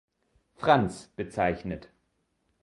Franz" bezeichnet.